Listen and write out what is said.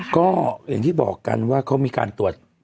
ก็อย่างที่บอกกันว่าเขามีการตรวจ